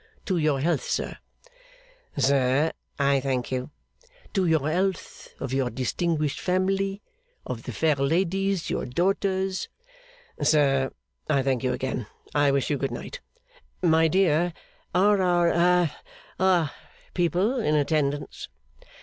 To your health, sir!' 'Sir, I thank you.' 'To the health of your distinguished family of the fair ladies, your daughters!' 'Sir, I thank you again, I wish you good night. My dear, are our ha our people in attendance?